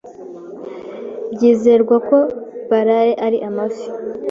Byizerwaga ko balale ari amafi.